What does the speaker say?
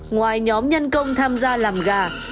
ngoài nhóm nhân công tham gia làm gà